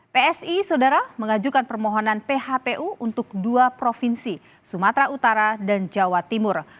psi saudara mengajukan permohonan phpu untuk dua provinsi sumatera utara dan jawa timur